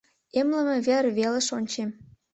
Эмлыме вер велыш ончем.